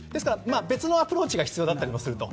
別のアプローチが必要だったりすると。